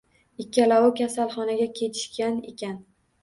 Ikkalovi kasalxonaga ketishgan ekan